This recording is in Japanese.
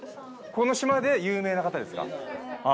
この島で有名な方ですか？